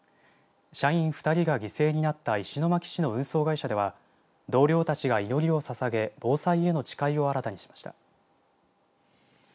社員２人が犠牲になった石巻市の運送会社では同僚たちが祈りをささげ防災への誓いを新たにしました。